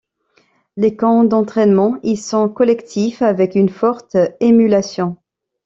Les camps d'entraînement y sont collectifs, avec une forte émulation.